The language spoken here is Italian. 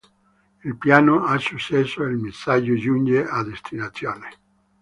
Il piano ha successo e il messaggio giunge a destinazione.